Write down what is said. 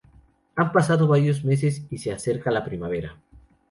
Han pasado varios meses, y se acerca la primavera.